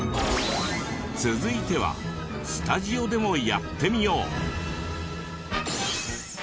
続いてはスタジオでもやってみよう。